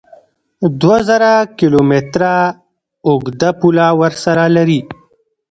دوه زره کیلو متره اوږده پوله ورسره لري